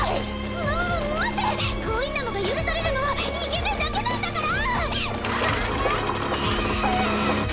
ま待って強引なのが許されるのはイケメンだけなんだから離して！